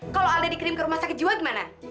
kalau anda dikirim ke rumah sakit jiwa gimana